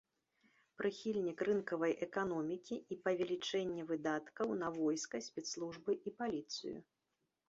Прыхільнік рынкавай эканомікі і павелічэння выдаткаў на войска, спецслужбы і паліцыю.